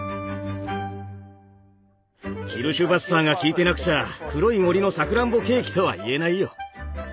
キルシュヴァッサーがきいてなくちゃ黒い森のさくらんぼケーキとは言えないよ！